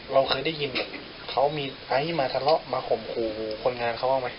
เราเคยได้ยินเขามีไอซ์มาทะเลาะมาข่มขู่คนงานเขาบ้างไหม